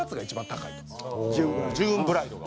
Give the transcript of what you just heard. ジューンブライドな。